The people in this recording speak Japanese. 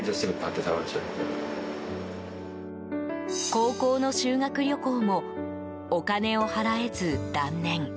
高校の修学旅行もお金を払えず断念。